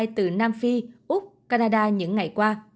từ nam phi úc canada những ngày qua